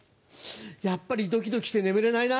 やっぱりドキドキして眠れないな。